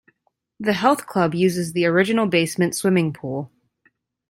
The health club uses the original basement swimming pool.